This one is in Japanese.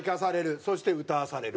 そして歌わされる。